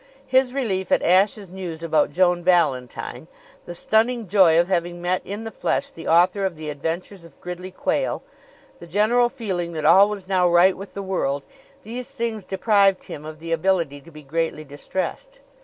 His relief at Ashe's news about Joan Valentine; the stunning joy of having met in the flesh the author of the adventures of Gridley Quayle; the general feeling that all was now right with the world these things deprived him of the ability to be greatly distressed.